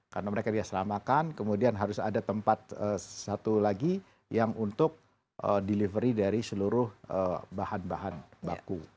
karena mereka di asramakan kemudian harus ada tempat satu lagi yang untuk delivery dari seluruh bahan bahan baku